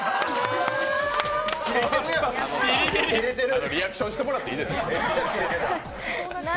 あのー、リアクションしてもらっていいですか？